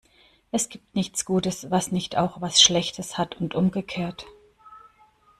Es gibt nichts Gutes, was nicht auch was Schlechtes hat, und umgekehrt.